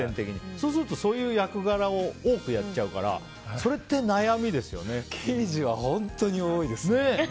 そうすると、そういう役柄を多くやっちゃうから刑事は本当に多いです。